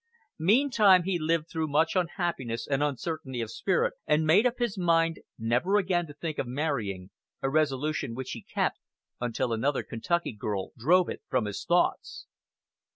Meantime he lived through much unhappiness and uncertainty of spirit, and made up his mind "never again to think of marrying": a resolution which he kept until another Kentucky girl drove it from his thoughts.